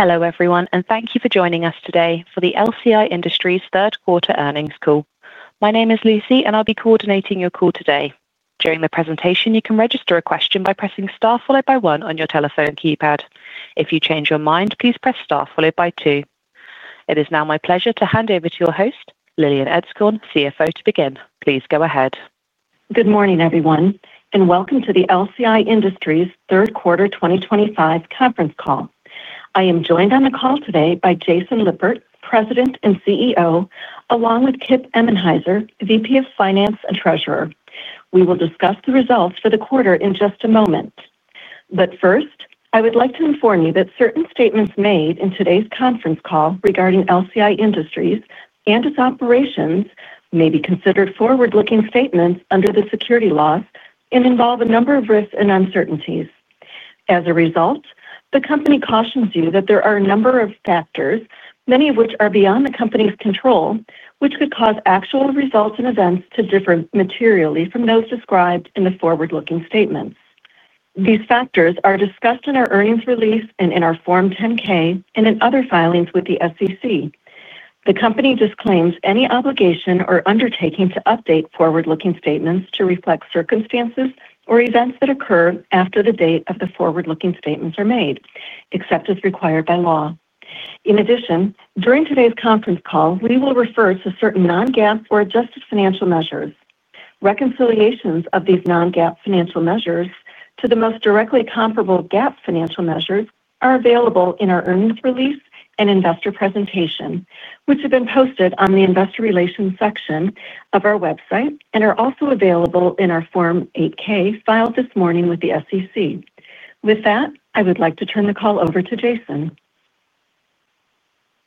Hello everyone and thank you for joining us today for the LCI Industries third quarter earnings call. My name is Lucy and I'll be coordinating your call today. During the presentation you can register a question by pressing star followed by one on your telephone keypad. If you change your mind, please press star followed by two. It is now my pleasure to hand over to your host, Lillian Etzkorn, CFO, to begin. Please go ahead. Good morning everyone and welcome to the LCI Industries third quarter 2025 conference call. I am joined on the call today by Jason Lippert, President and CEO, along with Kip Emenhiser, VP of Finance and Treasurer. We will discuss the results for the quarter in just a moment, but first I would like to inform you that certain statements made in today's conference call regarding LCI Industries and its operations may be considered forward-looking statements under the securities laws and involve a number of risks and uncertainties. As a result, the company cautions you that there are a number of factors, many of which are beyond the company's control, which could cause actual results and events to differ materially from those described in the forward-looking statements. These factors are discussed in our earnings release and in our Form 10-K and in other filings with the SEC. The company disclaims any obligation or undertaking to update forward-looking statements to reflect circumstances or events that occur after the date the forward-looking statements are made, except as required by law. In addition, during today's conference call we will refer to certain non-GAAP or adjusted financial measures. Reconciliations of these non-GAAP financial measures to the most directly comparable GAAP financial measures are available in our earnings release and investor presentation, which have been posted on the investor relations section of our website and are also available in our Form 8-K filed this morning with the SEC. With that I would like to turn the call over to Jason.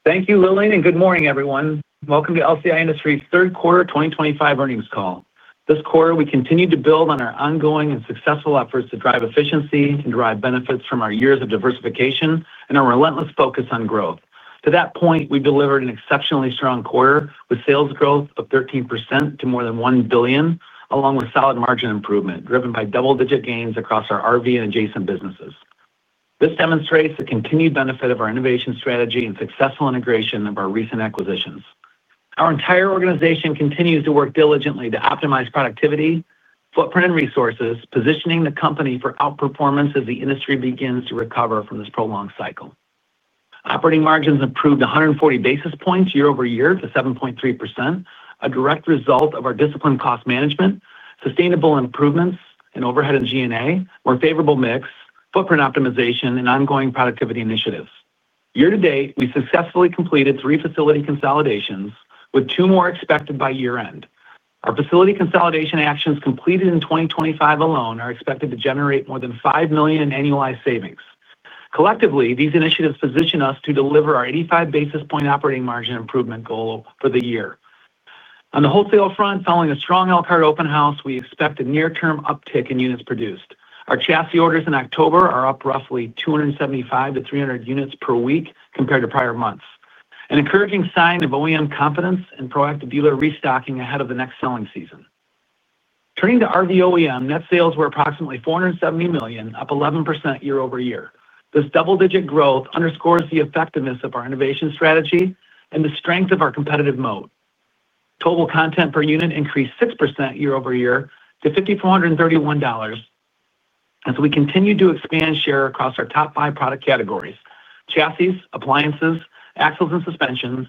Thank you Lillian and good morning everyone. Welcome to LCI Industries third quarter 2025 earnings call. This quarter we continued to build on our ongoing and successful efforts to drive efficiency and drive benefits from our years of diversification and a relentless focus on growth. To that point, we delivered an exceptionally strong quarter with sales growth of 13% to more than $1 billion, along with solid margin improvement driven by double-digit gains across our RV and adjacent businesses. This demonstrates the continued benefit of our innovation strategy and successful integration of our recent acquisitions. Our entire organization continues to work diligently to optimize productivity, footprint, and resources, positioning the company for outperformance as the industry begins to recover from this prolonged cycle. Operating margins improved 140 basis points year-over-year to 7.3%, a direct result of our disciplined cost management, sustainable improvements in overhead and G&A, more favorable mix, footprint optimization, and ongoing productivity initiatives. Year to date, we successfully completed three facility consolidations with two more expected by year end. Our facility consolidation actions completed in 2025 alone are expected to generate more than $5 million in annualized savings. Collectively, these initiatives position us to deliver our 85 basis point operating margin improvement goal for the year. On the wholesale front, following a strong Elkhart open house, we expect a near-term uptick in units produced. Our chassis orders in October are up roughly 275-300 units per week compared to prior months, an encouraging sign of OEM confidence and proactive dealer restocking ahead of the next selling season. Turning to RV OEM, net sales were approximately $470 million, up 11% year-over-year. This double-digit growth underscores the effectiveness of our innovation strategy and the strength of our competitive moat. Total content per unit increased 6% year-over-year to $5,431 as we continue to expand share across our top five product categories: chassis, appliances, axles and suspensions,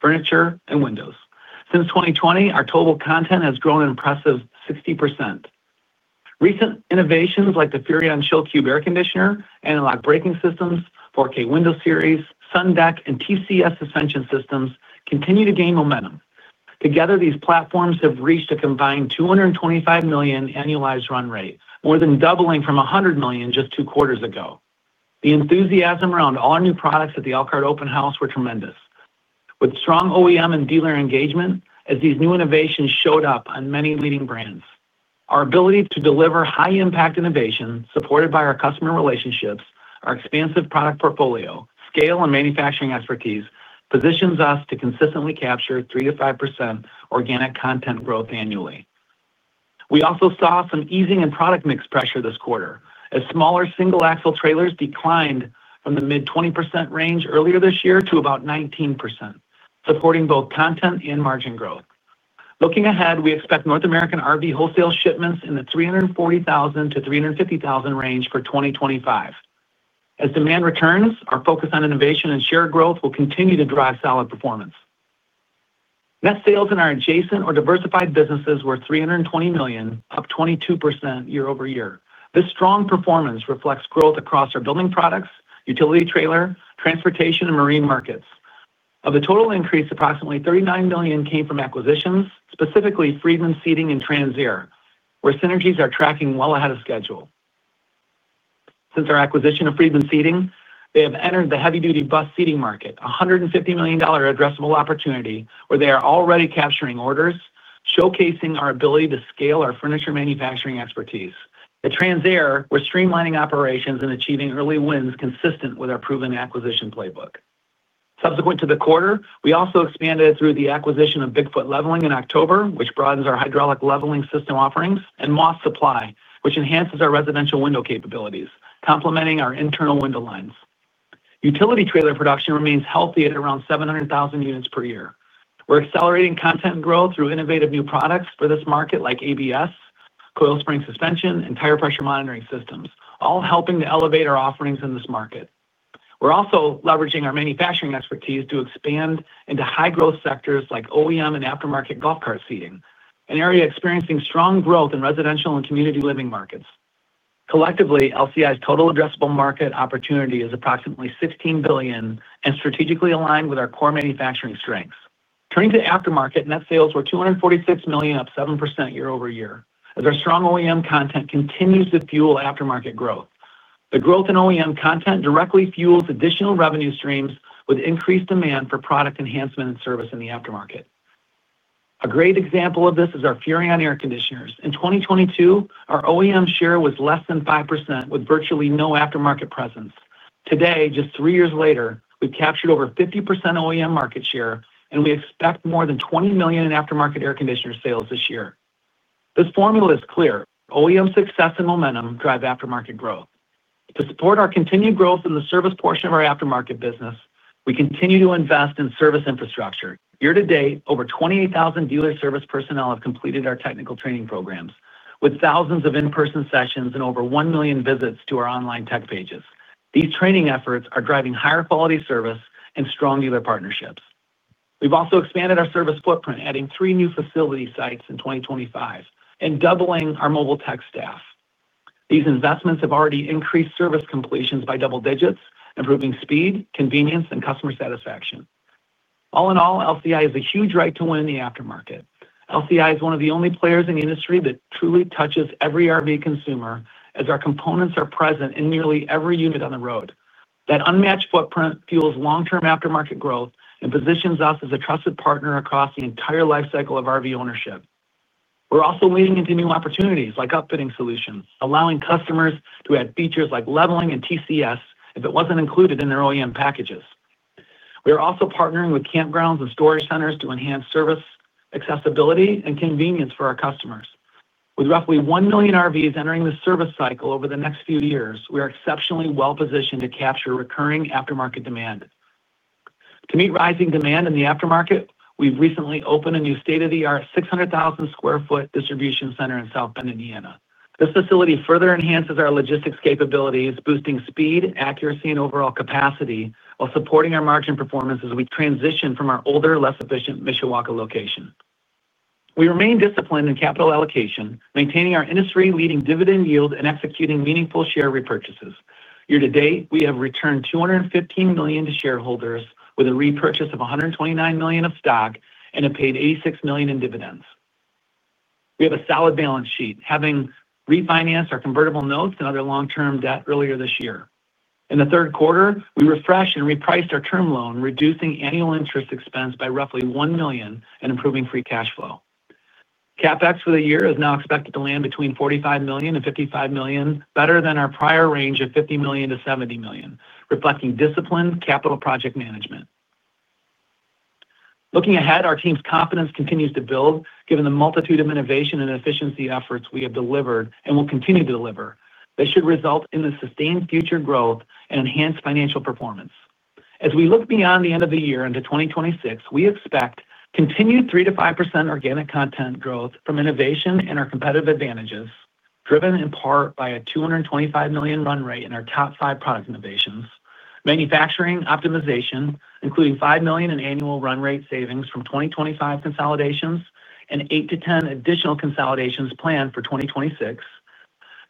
furniture, and windows. Since 2020, our total content has grown an impressive 60%. Recent innovations like the Furrion Chill Cube air conditioner, anti-lock brakes system, 4K window series, Sun Deck, and TCS suspension systems continue to gain momentum. Together, these platforms have reached a combined $225 million annualized run rate, more than doubling from $100 million just two quarters ago. The enthusiasm around all our new products at the Elkhart Open House was tremendous, with strong OEM and dealer engagement as these new innovations showed up on many leading brands. Our ability to deliver high impact innovation supported by our customer relationships, our expansive product portfolio, scale, and manufacturing expertise positions us to consistently capture 3%-5% organic content growth annually. We also saw some easing in product mix pressure this quarter as smaller single axle trailers declined from the mid 20% range earlier this year to about 19%, supporting both content and margin growth. Looking ahead, we expect North American RV wholesale shipments in the 340,000-350,000 range for 2025. As demand returns, our focus on innovation and shared growth will continue to drive solid performance. Net sales in our adjacent or diversified businesses were $320 million, up 22% year-over-year. This strong performance reflects growth across our building products, utility, trailer transportation, and marine markets. Of the total increase, approximately $39 million came from acquisitions, specifically Freedman Seating and Trans/Air, where synergies are tracking well ahead of schedule. Since our acquisition of Freedman Seating, they have entered the heavy duty bus seating market, a $150 million addressable opportunity where they are already capturing orders, showcasing our ability to scale our furniture manufacturing expertise. At Trans/Air, we're streamlining operations and achieving early wins consistent with our proven acquisition playbook. Subsequent to the quarter, we also expanded through the acquisition of Bigfoot Leveling in October, which broadens our hydraulic leveling system offerings, and Moss Supply, which enhances our residential window capabilities, complementing our internal window lines. Utility trailer production remains healthy at around 700,000 units per year. We're accelerating content growth through innovative new products for this market like ABS, coil spring suspension, and tire pressure monitoring systems, all helping to elevate our offerings in this market. We're also leveraging our manufacturing expertise to expand into high growth sectors like OEM and aftermarket golf cart seating, an area experiencing strong growth in residential and community living markets. Collectively, LCI Industries' total addressable market opportunity is approximately $16 billion and strategically aligned with our core manufacturing strengths. Turning to aftermarket, net sales were $246 million, up 7% year-over-year as our strong OEM content continues to fuel aftermarket growth. The growth in OEM content directly fuels additional revenue streams with increased demand for product enhancement and service in the aftermarket. A great example of this is our Furrion Chill Cube air conditioners. In 2022, our OEM share was less than 5% with virtually no aftermarket presence. Today, just three years later, we've captured over 50% OEM market share and we expect more than $20 million in aftermarket air conditioner sales this year. This formula is clear. OEM success and momentum drive aftermarket growth. To support our continued growth in the service portion of our aftermarket business, we continue to invest in service infrastructure. Year-to-date, over 28,000 dealer service personnel have completed our technical training programs with thousands of in-person sessions and over 1 million visits to our online tech pages. These training efforts are driving higher quality service and strong dealer partnerships. We've also expanded our service footprint, adding three new facility sites in 2025 and doubling our mobile tech staff. These investments have already increased service completions by double-digits, improving speed, convenience, and customer satisfaction. All in all, LCI Industries has a huge right to win in the aftermarket. LCI is one of the only players in the industry that truly touches every RV consumer as our components are present in nearly every unit on the road. That unmatched footprint fuels long-term aftermarket growth and positions us as a trusted partner across the entire lifecycle of RV ownership. We're also leaning into new opportunities like upfitting solutions, allowing customers to add features like leveling and TCS if it wasn't included in their OEM packages. We are also partnering with campgrounds and storage centers to enhance service accessibility and convenience for our customers. With roughly 1 million RVs entering the service cycle over the next few years, we are exceptionally well positioned to capture recurring aftermarket demand. To meet rising demand in the aftermarket, we've recently opened a new state-of-the-art 600,000-square-foot distribution center in South Bend, Indiana. This facility further enhances our logistics capabilities, boosting speed, accuracy, and overall capacity while supporting our margin performance. As we transition from our older, less efficient Mishawaka location, we remain disciplined in capital allocation, maintaining our industry-leading dividend yield and executing meaningful share repurchases. Year-to-date we have returned $215 million to shareholders with a repurchase of $129 million of stock and have paid $86 million in dividends. We have a solid balance sheet, having refinanced our convertible notes and other long-term debt. Earlier this year, in the third quarter, we refreshed and repriced our term loan, reducing annual interest expense by roughly $1 million and improving free cash flow. CapEx for the year is now expected to land between $45 million-$55 million, better than our prior range of $50 million-$70 million, reflecting disciplined capital project management. Looking ahead, our team's confidence continues to build given the multitude of innovation and efficiency efforts we have delivered and will continue to deliver that should result in sustained future growth and enhanced financial performance. As we look beyond the end of the year into 2026, we expect continued 3%-5% organic content growth from innovation and our competitive advantages, driven in part by a $225 million run rate in our top five product innovations, manufacturing optimization including $5 million in annual run rate savings from 2025 consolidations, and 8-10 additional consolidations planned for 2026.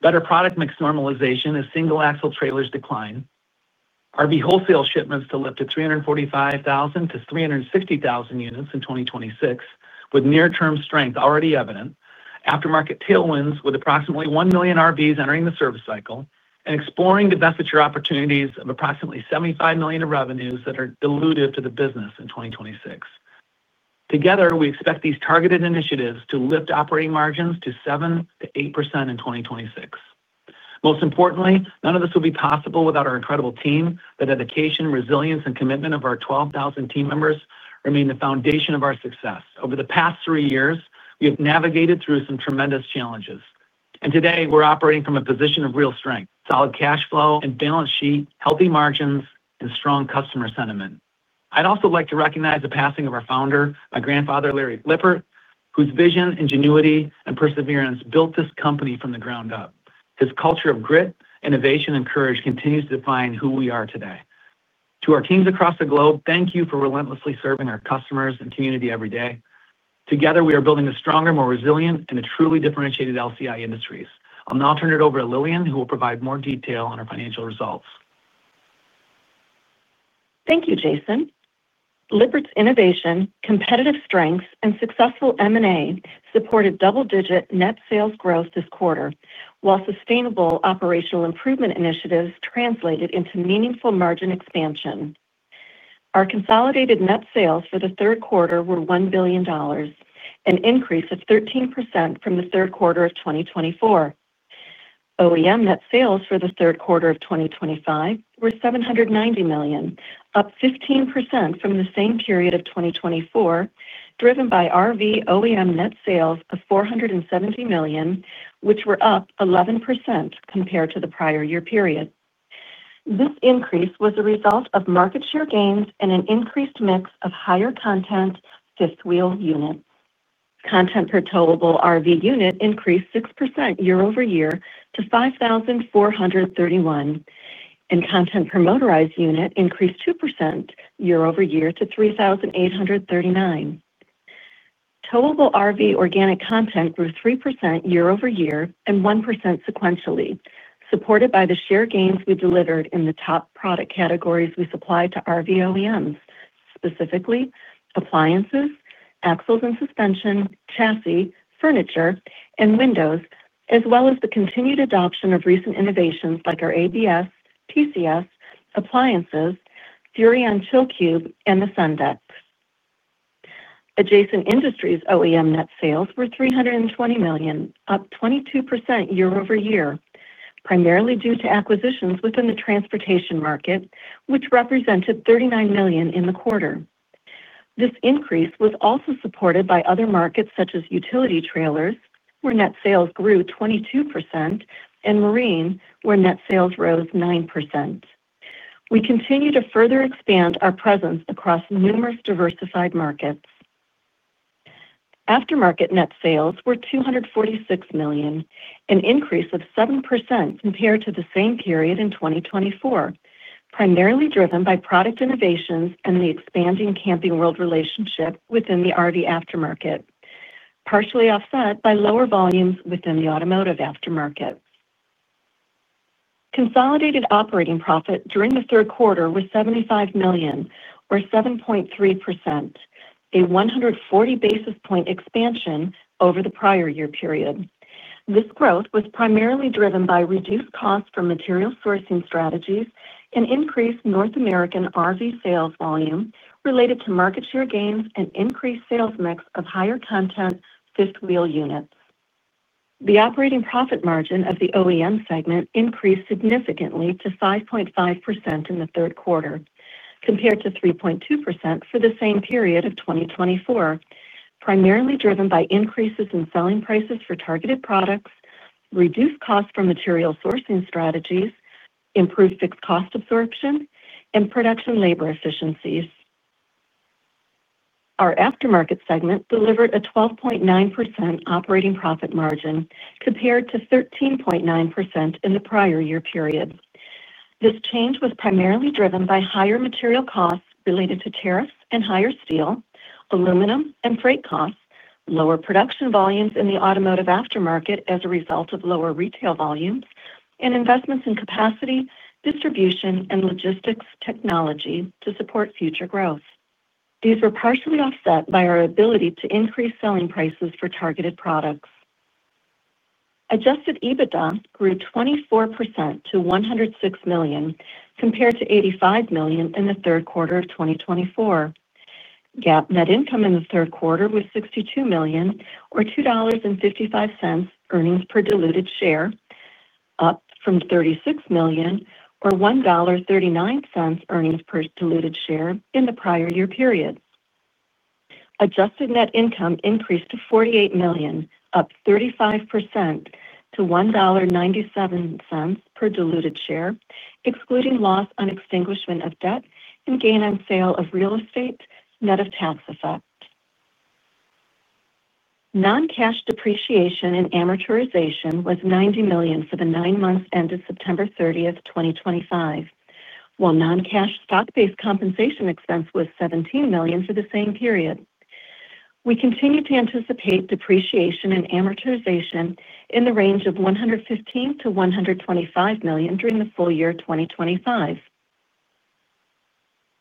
Better product mix normalization as single axle trailers decline, RV wholesale shipments to lift to 345,000-360,000 units in 2026 with near-term strength already evident, aftermarket tailwinds with approximately 1 million RVs entering the service cycle, and exploring divestiture opportunities of approximately $75 million of revenues that are dilutive to the business in 2026. Together we expect these targeted initiatives to lift operating margins to 7%-8% in 2026. Most importantly, none of this would be possible without our incredible team. The dedication, resilience, and commitment of our 12,000 team members remain the foundation of our success. Over the past three years, we have navigated through some tremendous challenges and today we're operating from a position of real strength, solid cash flow and balance sheet, healthy margins, and strong customer sentiment. I'd also like to recognize the passing of our founder, my grandfather Larry Lippert, whose vision, ingenuity, and perseverance built this company from the ground up. His culture of grit, innovation, and courage continues to define who we are today. To our teams across the globe, thank you for relentlessly serving our customers and community every day. Together we are building a stronger, more resilient, and a truly differentiated LCI Industries. I'll now turn it over to Lillian, who will provide more detail on our financial results. Thank you. Jason Lippert's innovation, competitive strengths, and successful M&A supported double-digit net sales growth this quarter, while sustainable operational improvement initiatives translated into meaningful margin expansion. Our consolidated net sales for the third quarter were $1 billion, an increase of 13% from the third quarter of 2024. OEM net sales for the third quarter of 2025 were $790 million, up 15% from the same period of 2024, driven by RV OEM net sales of $470 million, which were up 11% compared to the prior year period. This increase was a result of market share gains and an increased mix of higher content fifth wheel units. Content per towable RV unit increased 6% year-over-year to $5,431, and content per motorized unit increased 2% year-over-year to $3,839. Towable RV organic content grew 3% year-over-year and 1% sequentially, supported by the share gains. We delivered in the top product categories we supplied to RV OEMs, specifically appliances, axles and suspensions, chassis, furniture, and windows, as well as the continued adoption of recent innovations like our ABS, TCS, appliances, Furrion Chill Cube, and the Sun Deck adjacent industries. OEM net sales were $320 million, up 22% year-over-year, primarily due to acquisitions within the transportation market which represented $39 million in the quarter. This increase was also supported by other markets such as utility trailers where net sales grew 22% and marine where net sales rose 9%. We continue to further expand our presence across numerous diversified markets. Aftermarket net sales were $246 million, an increase of 7% compared to the same period in 2024, primarily driven by product innovations and the expanding Camping World relationship within the RV aftermarket, partially offset by lower volumes within the automotive aftermarket. Consolidated operating profit during the third quarter was $75 million or 7.3%, a 140 basis point expansion over the prior year period. This growth was primarily driven by reduced costs from material sourcing strategies and increased North American RV sales volume related to market share gains and increased sales mix of higher content fifth wheel units. The operating profit margin of the OEM segment increased significantly to 5.5% in the third quarter compared to 3.2% for the same period of 2024, primarily driven by increases in selling prices for targeted products, reduced cost from material sourcing strategies, improved fixed cost absorption, and production labor efficiencies. Our aftermarket segment delivered a 12.9% operating profit margin compared to 13.9% in the prior year period. This change was primarily driven by higher material costs related to tariffs and higher steel, aluminum, and freight costs, lower production volumes in the automotive aftermarket as a result of lower retail volumes, and investments in capacity, distribution, and logistics technology to support future growth. These were partially offset by our ability to increase selling prices for targeted products. Adjusted EBITDA grew 24% to $106 million compared to $85 million in the third quarter of 2024. GAAP net income in the third quarter was $62 million or $2.55 earnings per diluted share, up from $36 million or $1.39 earnings per diluted share in the prior year period. Adjusted net income increased to $48 million, up 35% to $1.97 per diluted share excluding loss on extinguishment of debt and gain on sale of real estate, net of tax effect. Non-cash depreciation and amortization was $90 million for the nine months ended September 30th, 2025, while non-cash stock-based compensation expense was $17 million for the same period. We continue to anticipate depreciation and amortization in the range of $115 million-$125 million during the full year 2025.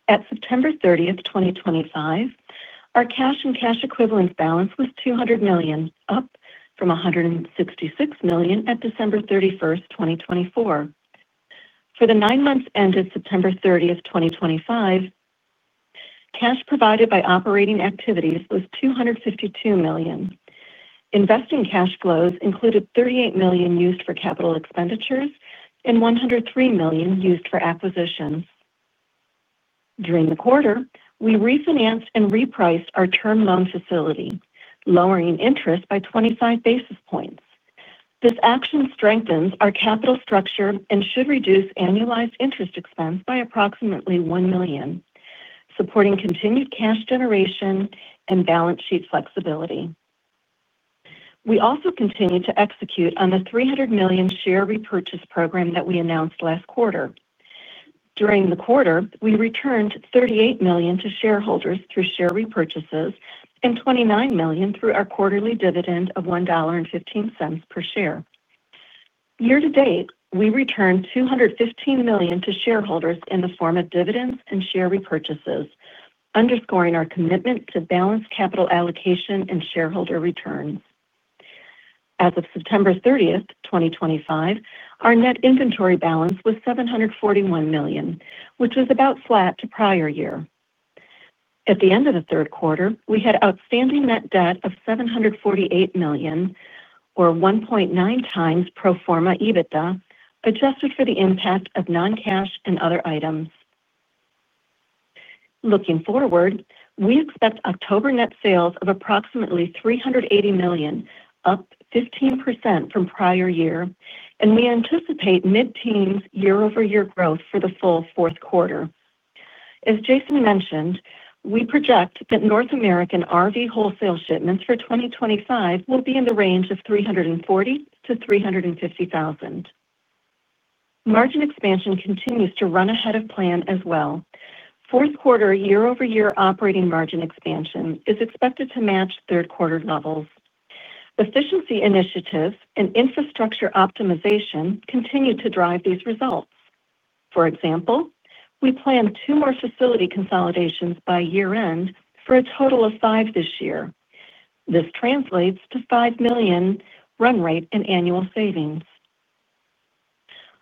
At September 30th, 2025, our cash and cash equivalents balance was $200 million, up from $166 million at December 31st, 2024. For the nine months ended September 30th, 2025, cash provided by operating activities was $252 million. Investing cash flows included $38 million used for capital expenditures and $103 million used for acquisitions. During the quarter, we refinanced and repriced our term loan facility, lowering interest by 25 basis points. This action strengthens our capital structure and should reduce annualized interest expense by approximately $1 million, supporting continued cash generation and balance sheet flexibility. We also continue to execute on the $300 million share repurchase program that we announced last quarter. During the quarter, we returned $38 million to shareholders through share repurchases and $29 million through our quarterly dividend of $1.15 per share. Year to date we returned $215 million to shareholders in the form of dividends and share repurchases, underscoring our commitment to balanced capital allocation and shareholder returns. As of September 30th, 2025, our net inventory balance was $741 million, which was about flat to prior year. At the end of the third quarter, we had outstanding net debt of $748 million or 1.9 times pro forma EBITDA adjusted for the impact of non-cash and other items. Looking forward, we expect October net sales of approximately $380 million, up 15% from prior year, and we anticipate mid-teens year-over-year growth for the full fourth quarter. As Jason mentioned, we project that North American RV wholesale shipments for 2025 will be in the range of 340,000-350,000. Margin expansion continues to run ahead of plan as well. Fourth quarter year-over-year operating margin expansion is expected to match third quarter levels. Efficiency initiatives and infrastructure optimization continue to drive these results. For example, we plan two more facility consolidations by year end for a total of five this year. This translates to $5 million run rate and annual savings.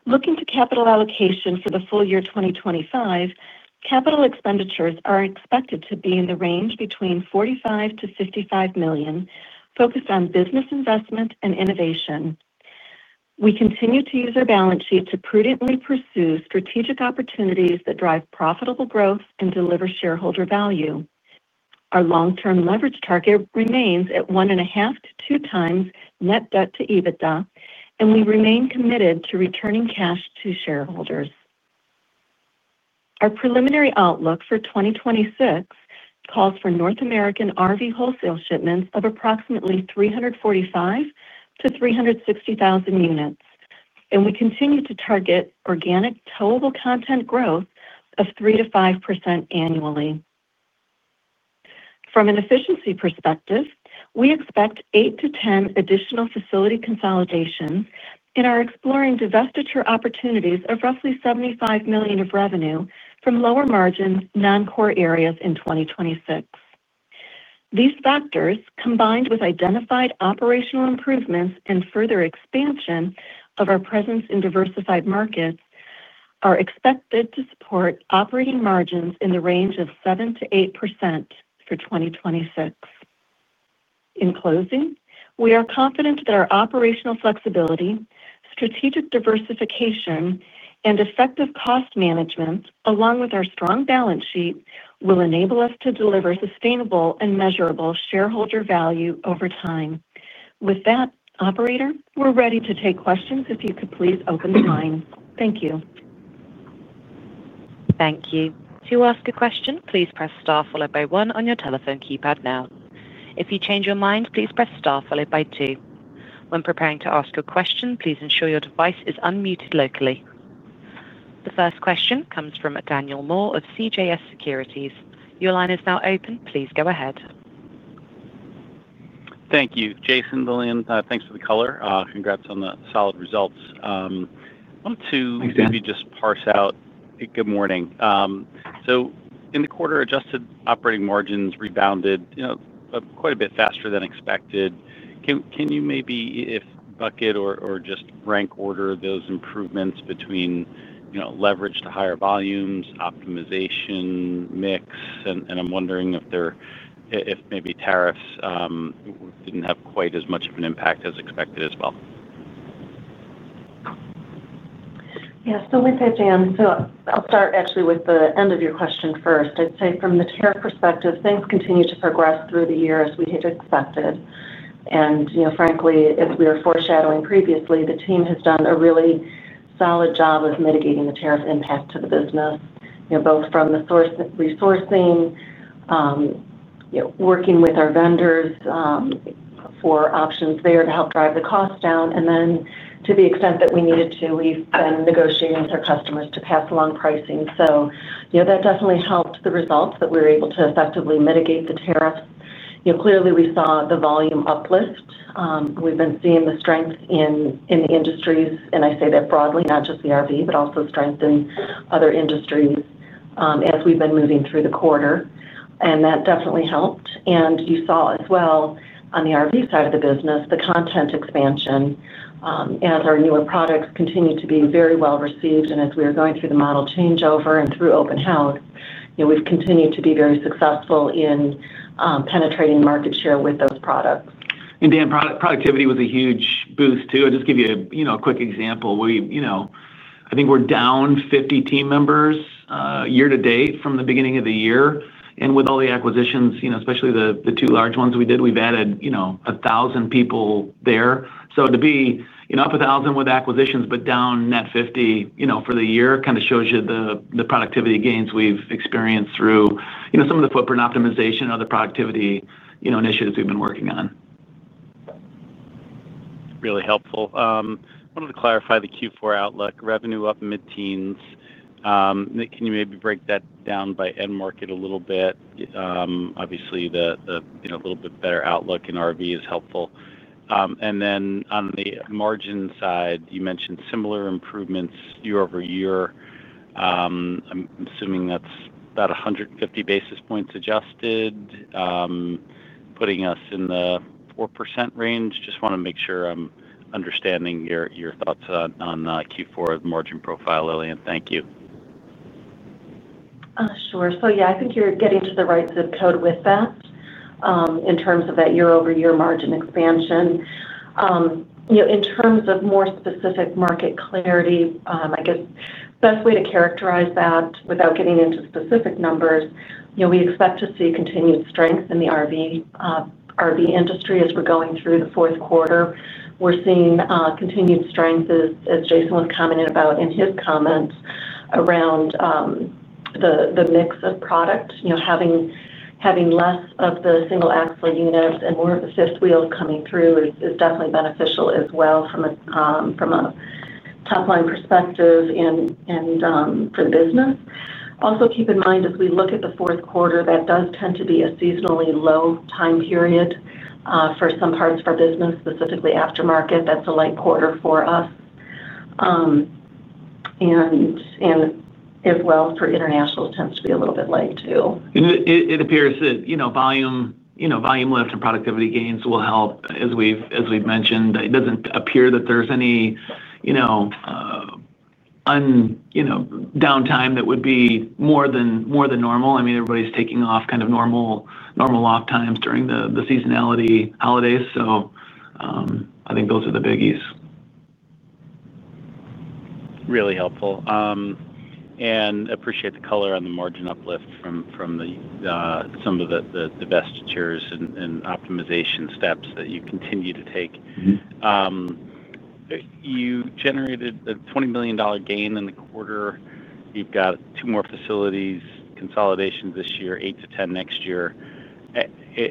Looking to capital allocation for the full year 2025, capital expenditures are expected to be in the range between $45 million-$55 million. Focused on business investment and innovation, we continue to use our balance sheet to prudently pursue strategic opportunities that drive profitable growth and deliver shareholder value. Our long-term leverage target remains at 1.5x-2x net debt to EBITDA, and we remain committed to returning cash to shareholders. Our preliminary outlook for 2026 calls for North American RV wholesale shipments of approximately 345,000-360,000 units, and we continue to target organic towable content growth of 3%-5% annually. From an efficiency perspective, we expect 8-10 additional facility consolidations and are exploring divestiture opportunities of roughly $75 million of revenue from lower margin non-core areas in 2026. These factors, combined with identified operational improvements and further expansion of our presence in diversified markets, are expected to support operating margins in the range of 7%-8% for 2026. In closing, we are confident that our operational flexibility, strategic diversification, and effective cost management, along with our strong balance sheet, will enable us to deliver sustainable and measurable shareholder value over time. With that, operator, we're ready to take questions. If you could please open the line. Thank you. Thank you. To ask a question, please press star followed by one on your telephone keypad. If you change your mind, please press star followed by two. When preparing to ask a question, please ensure your device is unmuted locally. The first question comes from Daniel Moore of CJS Securities. Your line is now open. Please go ahead. Thank you. Jason. Lillian, thanks for the color. Congrats on the solid results. Want to maybe just parse out? Good morning. In the quarter, adjusted operating margins rebounded quite a bit faster than expected. Can you maybe bucket or just rank order those improvements between, you know, leverage to higher volumes, options, optimization, mix? I'm wondering if maybe tariffs didn't have quite as much of an impact as expected as well. Yeah, with that, Dan. I'll start actually with the end of your question first. I'd say from the tariff perspective, things continue to progress through the year as we had expected. Frankly, as we were foreshadowing previously, the team has done a really solid job of mitigating the tariff impact to the business, both from the source, resourcing, working with our vendors for options there to help drive the cost down. To the extent that we needed to, we've been negotiating with our customers to pass along pricing. That definitely helped the results that we were able to effectively mitigate the tariffs. Clearly, we saw the volume uplift. We've been seeing the strength in the industries, and I say that broadly, not just the RV, but also strength in other industries as we've been moving through the quarter. That definitely helped. You saw as well on the RV side of the business, the content expansion as our newer products continue to be very well received and as we are going through the model changeover and through open house, we've continued to be very successful in penetrating market share with those products. Dan, productivity was a huge boost too. I'll just give you a quick example. I think we're down 50 team members year to date from the beginning of the year. With all the acquisitions, especially the two large ones we did, we've added 1,000 people there. To be up 1,000 with acquisitions, but down net 50 for the year kind of shows you the productivity gains we've experienced through some of the footprint optimization of the productivity initiatives we've been working on. Really helpful. Wanted to clarify the Q4 outlook. Revenue up mid teens. Can you maybe break that down by end market a little bit? Obviously the little bit better outlook in RV is helpful. On the margin side, you mentioned similar improvements year-over-year. I'm assuming that's about 150 basis points adjusted, putting us in the 4% range. Just want to make sure I'm understanding your thoughts on Q4 margin profile, Lillian. Thank you. Sure. I think you're getting to the right zip code with that in terms of that year-over-year margin expansion. In terms of more specific market clarity, I guess best way to characterize that without getting into specific numbers, we expect to see continued strength in the RV industry as we're going through the fourth quarter. We're seeing continued strength as Jason was commenting about in his comments around the mix of product. You know, having less of the single axle units and more of the fifth wheels coming through is definitely beneficial as well from a top line perspective and for the business. Also keep in mind as we look at the fourth quarter that does tend to be a seasonally low time period for some parts. For business, specifically aftermarket, that's a light quarter for us and as well for international, tends to be a little bit light too. It appears that, you know, volume, you know, volume lift and productivity gains will help. As we've mentioned, it doesn't appear that there's any, you know, downtime that would be more than normal. I mean, everybody's taking off kind of normal, normal off times during the seasonality holidays. I think those are the biggies. Really helpful. I appreciate the color on the margin uplift from some of the divestitures and optimization steps that you continue to take. You generated a $20 million gain in the quarter. You've got two more facility consolidations this year, 8-10 next year.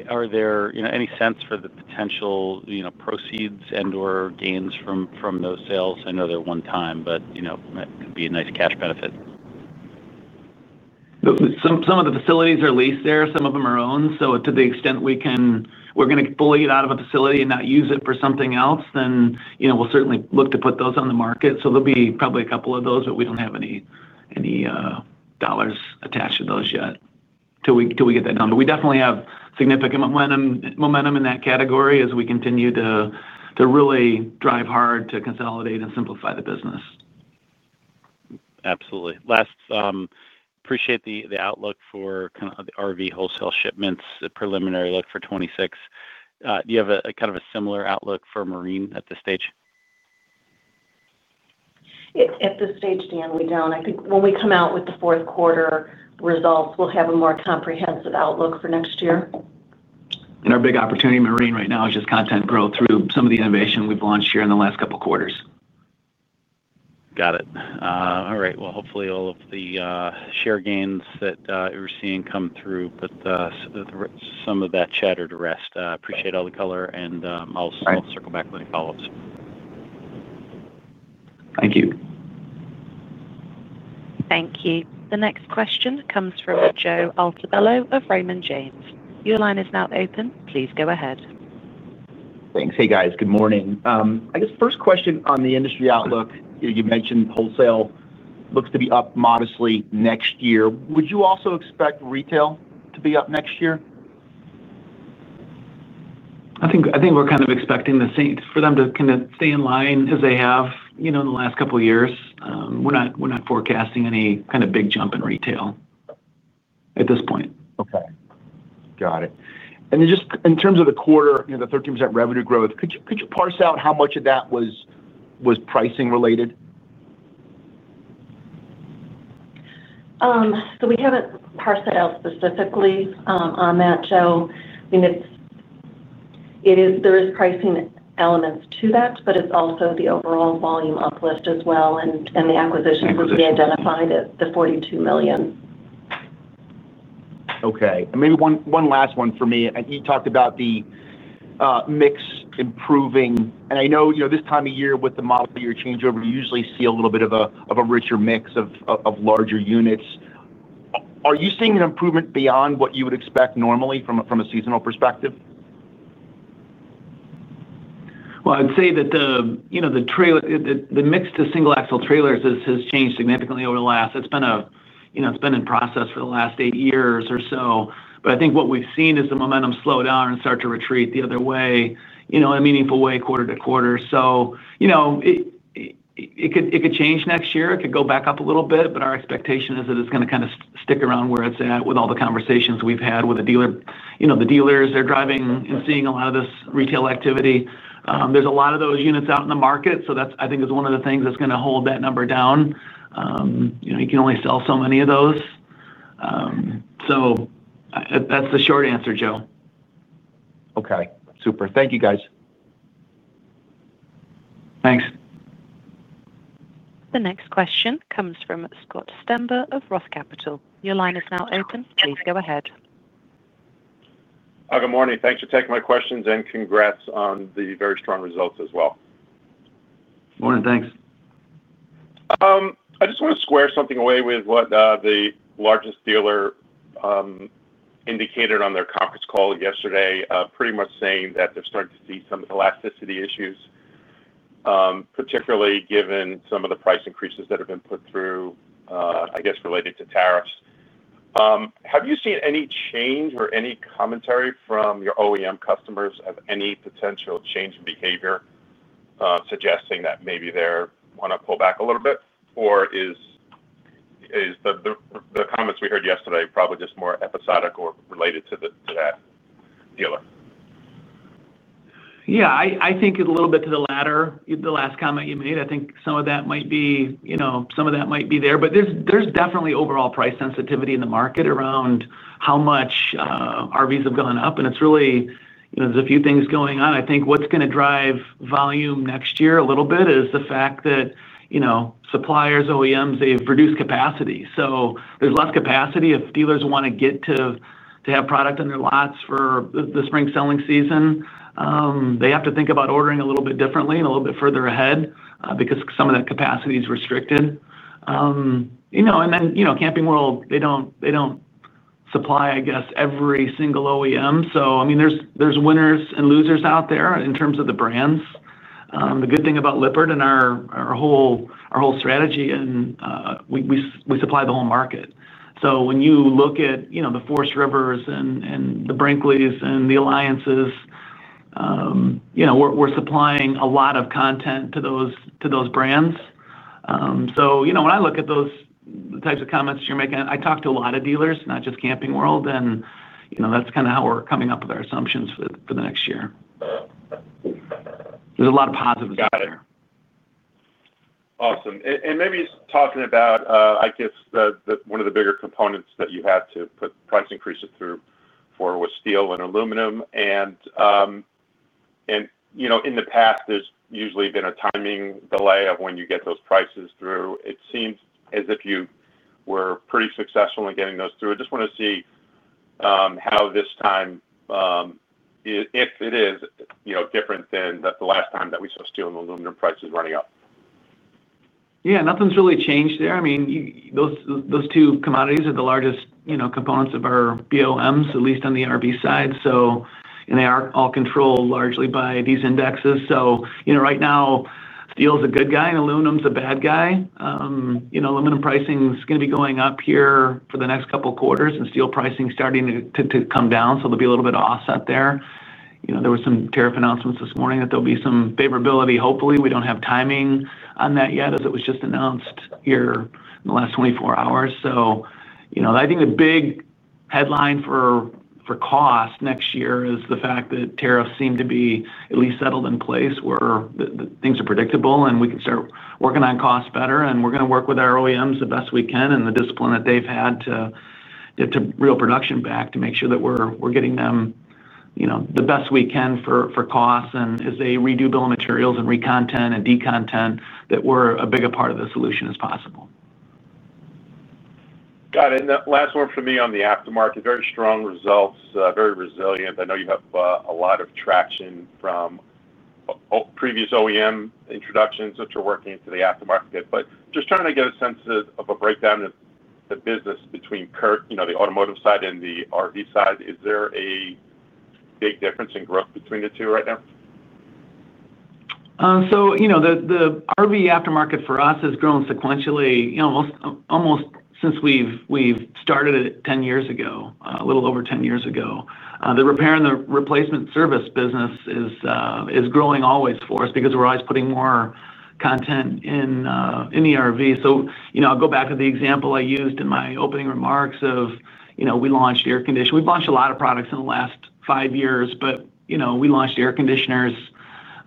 Are there any sense for the potential proceeds and/or gains from those sales? I know they're one time, but that could be a nice cash benefit. Some of the facilities are leased there, some of them are owned. To the extent we can, we're going to pull it out of a facility and not use it for something else, then you know we'll certainly look to put those on the market. There will be probably a couple of those, but we don't have any dollars attached to those yet until we get that done. We definitely have significant momentum in that category as we continue to really drive hard to consolidate and simplify the business. Absolutely. Last, appreciate the outlook for the RV wholesale shipments. Preliminary look for 2026. Do you have a similar outlook for Marine at this stage? At this stage, Dan, we don't. I think when we come out with the fourth quarter results, we'll have a more comprehensive outlook for next year. Our big opportunity is Marine right now is just content growth through some of the innovation we've launched here in the last couple of quarters. Got it. All right. Hopefully all of the share gains that you're seeing come through, put some of that chatter to rest. Appreciate all the color and I'll circle back when he follows. Thank you. Thank you. The next question comes from Joe Altobello of Raymond James. Your line is now open. Please go ahead. Thanks. Good morning. I guess first question on the industry outlook you mentioned. Wholesale looks to be up modestly next year. Would you also expect retail to be up next year? I think we're kind of expecting the same for them to stay in line as they have, you know, in the last couple of years. We're not forecasting any kind of big jump in retail at this point. Okay, got it. In terms of the quarter, the 13% revenue growth, could you parse out how much of that was pricing related? We haven't parsed it out specifically on that, Joe. There is pricing elements to that, but it's also the overall volume uplift as well and the acquisitions as we identified at the $42 million. Okay. Maybe one last one for me. You talked about the mix improving. I know this time of year with the model year changeover, you usually see a little bit of a of a richer mix of larger units, are you seeing an improvement beyond what? You would expect normally from a seasonal perspective? I'd say that the trailer, the mix to single axle trailers has changed significantly over the last. It's been in process for the last eight years or so. I think what we've seen is the momentum slow down and start to retreat the other way, you know, in a meaningful way, quarter to quarter. It could change next year. It could go back up a little bit. Our expectation is that it's going to kind of stick around where it's at. With all the conversations we've had with the dealer, you know, the dealers are driving and seeing a lot of this retail activity. There's a lot of those units out in the market. I think that is one of the things that's going to hold that number down. You can only sell so many of those. That's the short answer, Joe. Okay, super. Thank you, guys. Thanks. The next question comes from Scott Stember of ROTH Capital. Your line is now open. Please go ahead. Good morning. Thanks for taking my questions, and congrats on the very strong results as well. Morning. Thanks. I just want to square something away with what the largest dealer indicated on their conference call yesterday. Pretty much saying that they're starting to see some elasticity issues, particularly given some of the price increases that have been put in through, I guess, related to tariffs. Have you seen any change or any commentary from your OEM customers of any potential change in behavior, suggesting that maybe they want to pull back a little bit? Is the comments we heard yesterday probably just more episodic or related to that dealer? Yeah, I think a little bit to the latter. The last comment you made, I think some of that might be, you know, some of that might be there, but there's definitely overall price sensitivity in the market around how much RVs have gone up. It's really, you know, there's a few things going on. I think what's going to drive volume next year a little bit is the fact that, you know, suppliers, OEMs, they've reduced capacity, so there's less capacity. If dealers want to get to have product in their lots for the spring selling season, they have to think about ordering a little bit differently and a little bit further ahead because some of that capacity is restricted. Camping World, they don't supply, I guess, every single OEM. I mean, there's winners and losers out there in terms of the brands. The good thing about Lippert and our whole strategy, we supply the whole market. When you look at, you know, the Forest Rivers and the Brinkleys and the Alliances, we're supplying a lot of content to those brands. So, you know, when I look at. Those types of comments you're making, I talk to a lot of dealers, not just Camping World, and that's kind of how we're coming up with our assumptions for the next year are a lot of positives. Got it. Awesome. Maybe talking about, I guess, one of the bigger components that you had to put price increases through for with steel and aluminum. In the past, there's usually been a timing delay of when you get those prices through. It seems as if you were pretty successful in getting those through. I just want to see how this time, if it is, you know, different than the last time that we saw steel and aluminum prices running up. Yeah, nothing's really changed there. Those two commodities are the largest components of our BOMs, at least on the RV side. They are all controlled largely by these indexes. Right now, steel is a good guy and aluminum is a bad guy. Aluminum pricing is going to be going up here for the next couple quarters, and steel pricing is starting to come down, so there'll be a little bit of offset there. There were some tariff announcements this morning that there'll be some favorability. Hopefully, we don't have timing on that yet, as it was just announced here in the last 24 hours. I think the big headline for cost next year is the fact that tariffs seem to be at least settled in place where things are predictable and we can start working on costs better. We're going to work with our OEMs the best we can, and the discipline that they've had to get to real production back to make sure that we're getting them the best we can for costs. As they redo bill of materials and recontent and decontent, that we're a bigger part of the solution as possible. Got it. Last one for me on the aftermarket, very strong results, very resilient. I know you have a lot of traction from previous OEM introductions that you're working into the aftermarket, just trying to get a sense of a breakdown of the business between Kirk, you know, the automotive side and the RV side. Is there a big difference in growth between the two right now? The RV aftermarket for us has grown sequentially almost since we've started it 10 years ago, a little over 10 years ago. The repair and the replacement service business is growing always for us because we're always putting more content in the RV. I'll go back to the example I used in my opening remarks of, you know, we launched air conditioner. We've launched a lot of products. The last five years, but, you know, we launched air conditioners,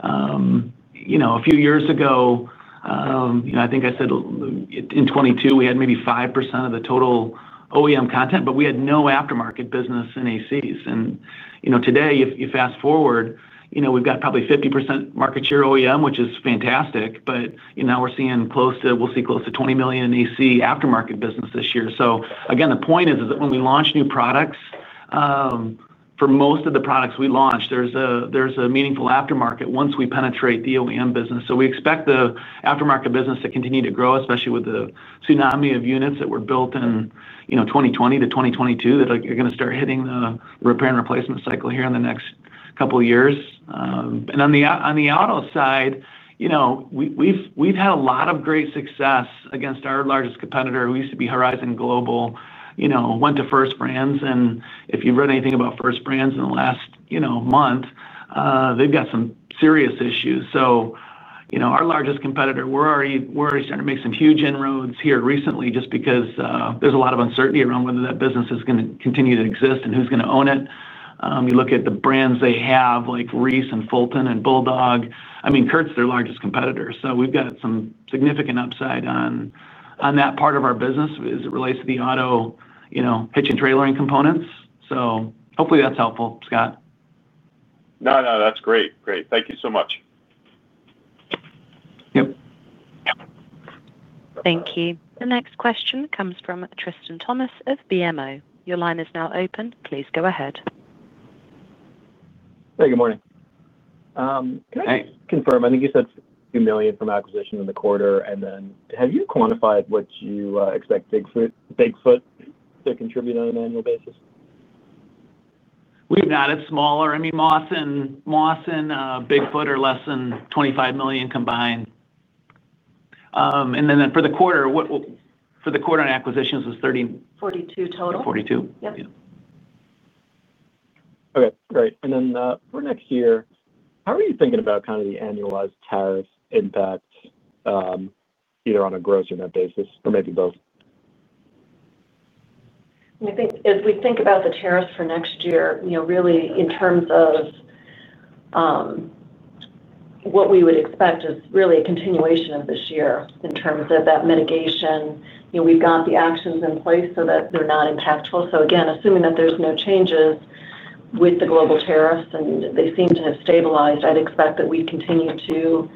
you know, a few years ago. I think I said in 2022, we had maybe 5% of the total OEM content, but we had no aftermarket business in ACs. Today, if you fast forward, we've got probably 50% market share OEM, which is fantastic. We're seeing close to, we'll see close to $20 million AC aftermarket business this year. Again, the point is that when we launch new products, for most of the products we launch, there's a meaningful aftermarket once we penetrate the OEM business. We expect the aftermarket business to continue to grow, especially with the tsunami of units that were built in 2020-2022 that are going to start hitting the repair and replacement cycle here in the next couple years. On the auto side, we've had a lot of great success against our largest competitor who used to be Horizon Global, went to First Brands, and if you've read anything about First Brands in the last month, they've got some serious issues. Our largest competitor, we're already starting to make some huge inroads here recently just because there's a lot of uncertainty around whether that business is going to continue to exist and who's going to own it. You look at the brands they have, like Reese and Fulton and Bulldog, I mean, Curt's their largest competitor. We've got some significant upside on. On that part of our business it relates to the auto, you know, hitch and trailering components. Hopefully that's helpful, Scott. That's great. Thank you so much. Yep. Thank you. The next question comes from Tristan Thomas of BMO. Your line is now open. Please go ahead. Hey, good morning. Can I confirm, I think you said $2 million from acquisition in the quarter, and then have you quantified what you expect Bigfoot Leveling to contribute on an annual basis? We've not. It's smaller. I mean, Moss Supply and Bigfoot Leveling are less than $25 million combined. For the quarter, for the quarter on acquisitions was 30, 42 total. 42, yep. Okay, great. For next year, how are you thinking about kind of the annualized tariff impact either on a gross or net basis or maybe both? I think as we think about the tariffs for next year, you know, really in terms of what we would expect is really a continuation of this year in terms of that mitigation. We've got the actions in place so that they're not impactful. Again, assuming that there's no changes with the global tariffs and they seem to have stabilized, I'd expect that we continue to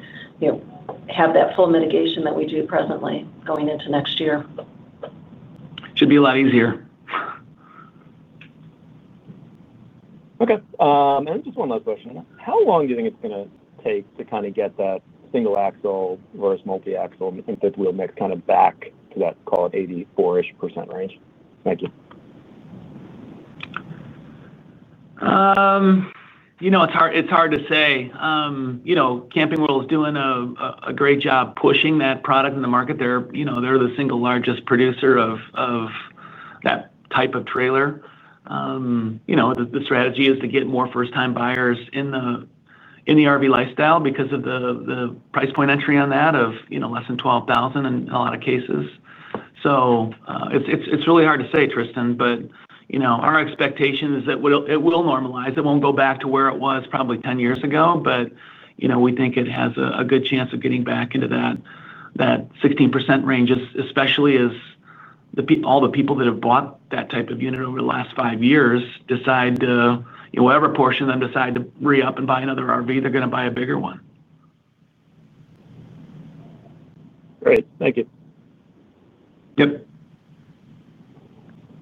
have that full mitigation that we do presently going into next year. Should be a lot easier. Okay, just one last question. How long do you think it's going to kind of get that single axle versus multi axle and fifth wheel mix kind of back to that, call it 84% range. Thank you. It's hard to say. Camping World is doing a great job pushing that product in the market. They're the single largest producer of that type of trailer. The strategy is to get more first-time buyers in the RV lifestyle because of the price point entry on that of less than $12,000 in a lot of cases. It's really hard to say, Tristan, but our expectation is that it will normalize. It won't go back to where it was probably 10 years ago. We think it has a good chance of getting back into that 16% range, especially as all the people that have bought that type of unit over the last five years, whatever portion of them decide to re-up and buy another RV, they're going to buy a bigger one. Great. Thank you. Yep.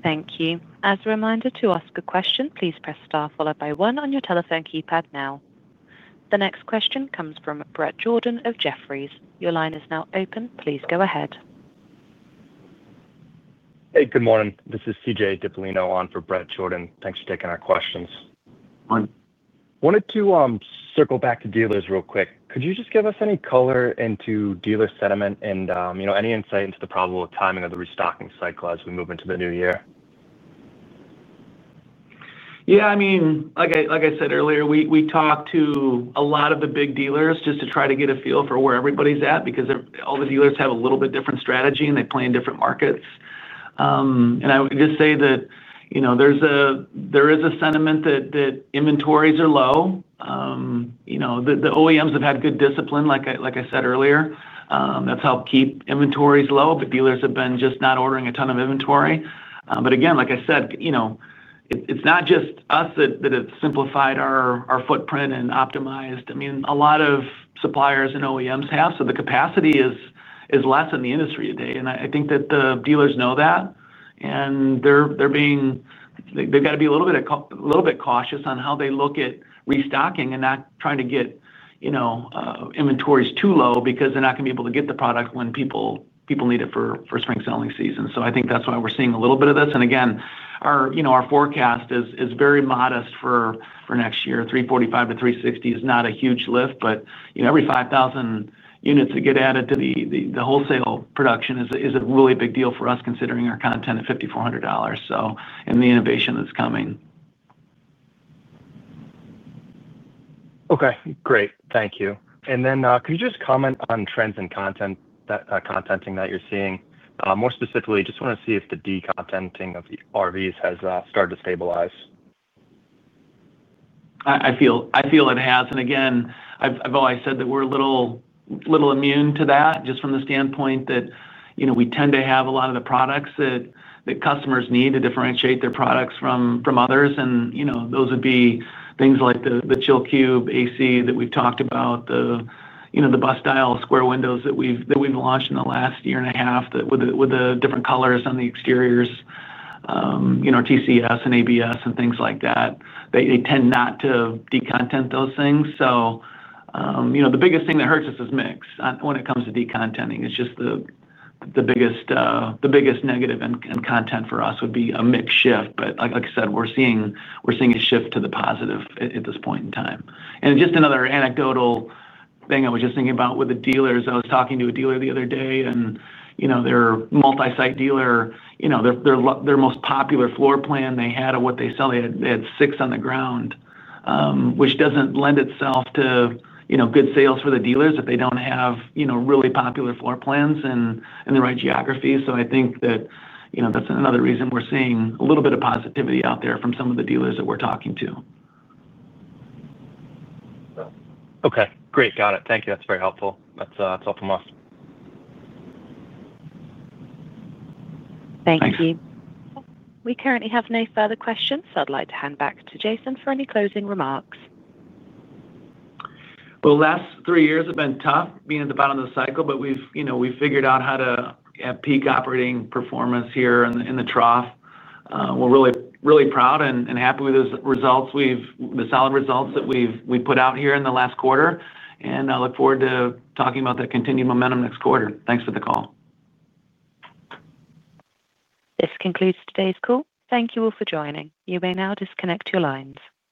Thank you. As a reminder, to ask a question, please press star followed by one on your telephone keypad. Now the next question comes from Bret Jordan of Jefferies. Your line is now open. Please go ahead. Hey, good morning, this is Chris Counihan on for Bret Jordan. Thanks for taking our questions. Wanted to circle back to dealers real quick. Could you just give us any color into dealer sentiment and, you know, any insight into the probable timing of the restocking cycle as we move into the new year? Yeah, I mean, like I said earlier, we talked to a lot of the big dealers just to try to get a feel for where everybody's at because all the dealers have a little bit different strategy and they play in different markets. I would just say that, you know, there is a sentiment that inventories are low. The OEMs have had good discipline, like I said earlier, that's helped keep inventories low. Dealers have been just not ordering a ton of inventory. Again, like I said, you know, it's not just us that have simplified our footprint and optimized. I mean, a lot of suppliers and OEMs have, so the capacity is less in the industry today. I think that the dealers know that and they've got to be a little bit cautious on how. They look at restocking and not trying to get inventories too low because they're not going to be able to get the product when people need it for spring selling season. I think that's why we're seeing a little bit of this. Our forecast is very modest for next year. 345,000-360,000 is not a huge lift. Every 5,000 units that get added to the wholesale production is a really big deal for us considering our content at $5,400. The innovation that's coming. Okay, great, thank you. Could you just comment on trends in content contenting that you're seeing more specifically? Just want to see if the decontenting of the RVs has started to stabilize. I feel it has. I've always said that we're a little immune to that just from the standpoint that we tend to have a lot of the products that customers need to differentiate their products from others. Those would be things like the Furrion Chill Cube air conditioner that we've talked about, the 4K window series that we've launched in the last year and a half with the different colors on the exteriors, TCS and ABS and things like that. They tend not to decontent those things. The biggest thing that hurts us is mix when it comes to decontenting. The biggest negative content for us would be a mix shift. Like I said, we're seeing a shift to the positive at this point in time. Just another anecdotal thing I was thinking about with the dealers, I was talking to a dealer the other day and they're a multi-site dealer. Their most popular floor plan they had of what they sell, they had six on the ground, which doesn't lend itself to good sales for the dealers if they don't have really popular floor plans in the right geography. I think that's another reason we're seeing a little bit of positivity out there from some of the dealers that we're talking to. Okay, great. Got it. Thank you, that's very helpful. That's all from us. Thank you. We currently have no further questions. I'd like to hand back to Jason for any closing remarks. The last three years have been tough being at the bottom of the cycle. We've figured out how to have peak operating performance here in the trough. We're really, really proud and happy with the results. The solid results that we put out here in the last quarter, and I look forward to talking about that continued momentum next quarter. Thanks for the call. This concludes today's call. Thank you all for joining. You may now disconnect your lines.